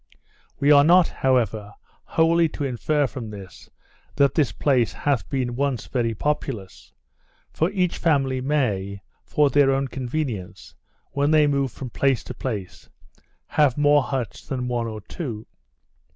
We are not, however, wholly to infer from this, that this place hath been once very populous; for each family may, for their own convenience, when they move from place to place, have more huts than one or two.